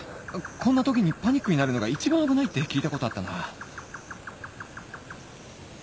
こんなときにパニックになるのが一番危ないって聞いたことあったな